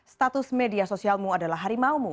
status media sosialmu adalah harimau mu